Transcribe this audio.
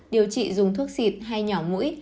điều trị dùng thuốc xịt hay nhỏ mũi